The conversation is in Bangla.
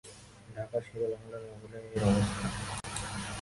ঢাকার শেরে বাংলা নগরে এর অবস্থান।